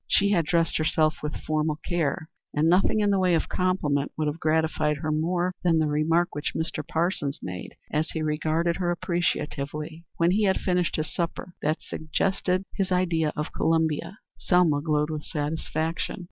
She had dressed herself with formal care, and nothing in the way of compliment could have gratified her more than the remark which Mr. Parsons made, as he regarded her appreciatively, when he had finished his supper, that she suggested his idea of Columbia. Selma glowed with satisfaction.